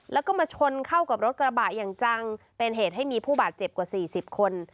แล้วก็มาชนเข้ากับรถกระบะอย่างจังเป็นเหตุให้มีผู้บาดเจ็บกว่าสี่สิบคน